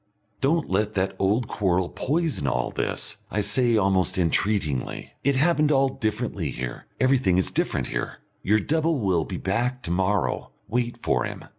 "Don't let that old quarrel poison all this," I say almost entreatingly. "It happened all differently here everything is different here. Your double will be back to morrow. Wait for him.